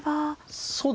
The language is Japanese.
そうですね